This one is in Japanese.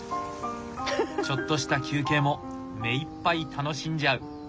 ちょっとした休憩も目いっぱい楽しんじゃう。